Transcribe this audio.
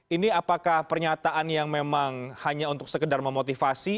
ini apakah pernyataan yang memang hanya untuk sekedar memotivasi